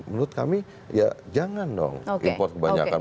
menurut kami ya jangan dong import kebanyakan